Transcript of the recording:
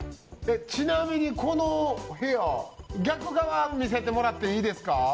ちなみにこの部屋逆側見せてもらっていいですか？